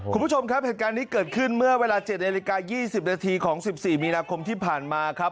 คุณผู้ชมครับเหตุการณ์นี้เกิดขึ้นเมื่อเวลา๗นาฬิกา๒๐นาทีของ๑๔มีนาคมที่ผ่านมาครับ